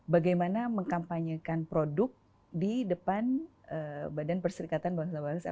bagaimana mengkampanyekan produk di depan badan perserikatan bangsa bangsa